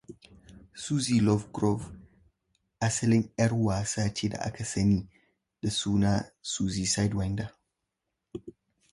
Suzi Lovegrove was originally an actress known as Suzi Sidewinder.